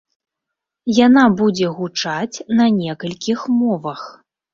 Яна будзе гучаць на некалькіх мовах.